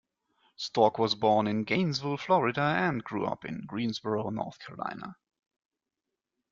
Stork was born in Gainesville, Florida and grew up in Greensboro, North Carolina.